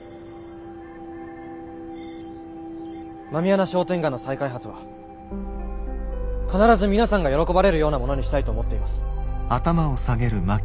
狸穴商店街の再開発は必ず皆さんが喜ばれるようなものにしたいと思っています。